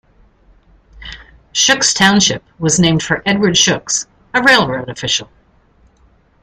Shooks Township was named for Edward Shooks, a railroad official.